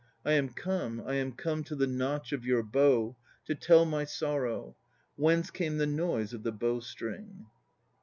I am come, I am come to the notch of your bow To tell my sorrow. Whence came the noise of the bow string?